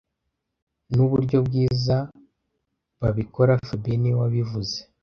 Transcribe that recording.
Nuburyo ibyiza babikora fabien niwe wabivuze